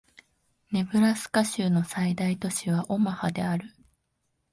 ネブラスカ州の最大都市はオマハである